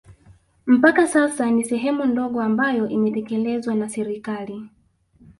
Mpaka sasa ni sehemu ndogo ambayo imetekelezwa na serikali